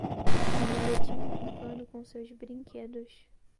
um garotinho brincando com seus brinquedos.